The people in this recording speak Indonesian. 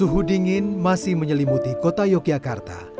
suhu dingin masih menyelimuti kota yogyakarta